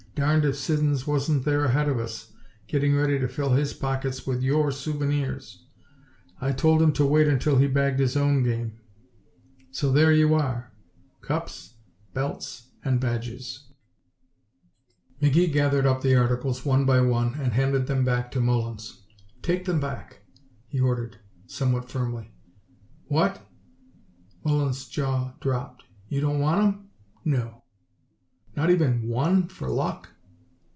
Darned if Siddons wasn't there ahead of us, getting ready to fill his pockets with your souvenirs. I told him to wait until he bagged his own game. So there you are cups, belts and badges!" McGee gathered up the articles, one by one, and handed them back to Mullins. "Take them back," he ordered, somewhat firmly. "What!" Mullins' jaw dropped. "You don't want 'em?" "No." "Not even one for luck?"